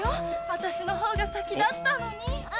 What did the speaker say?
私の方が先だったのに。